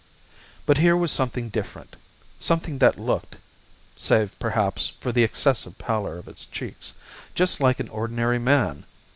But here was something different, something that looked save, perhaps, for the excessive pallor of its cheeks just like an ordinary man.